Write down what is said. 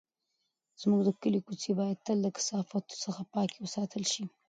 زموږ د کلي کوڅې باید تل له کثافاتو څخه پاکې وساتل شي.